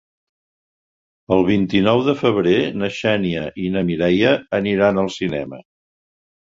El vint-i-nou de febrer na Xènia i na Mireia aniran al cinema.